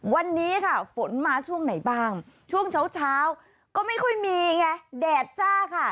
วันนี้ค่ะฝนมาช่วงไหนบ้างช่วงเช้าเช้าก็ไม่ค่อยมีไงแดดจ้าค่ะ